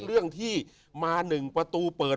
เรื่องที่มา๑ประตูเปิด